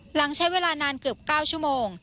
หลังใช้เวลานานเกือบ๙ชั่วโมง